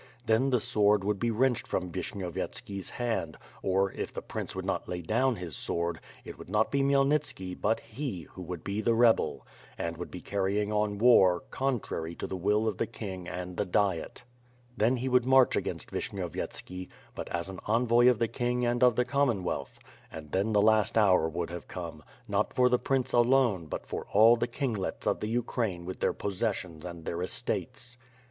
Then the sword would be wrenched from Vishnyov yetski's hand, or, if the prince would not lay down his sword, it would not be Khmyelnitski but he, who would be the rebel; who would be carrying on war, contrary to the will of the king and the Diet. Then he would march against Vishnyovyetski, but as an envoy of the King and of the Commonwealth; and then the last hour would have come, not for the prince alone but for all the kinglets of the Ukraine with their possessions and their estates.